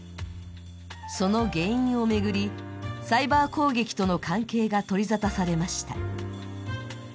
その原因を巡り、サイバー攻撃との関係が取り沙汰されました。